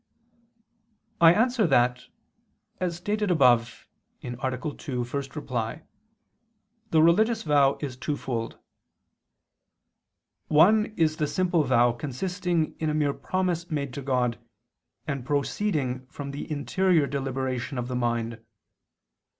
I answer that, As stated above (A. 2, ad 1), the religious vow is twofold. One is the simple vow consisting in a mere promise made to God, and proceeding from the interior deliberation of the mind.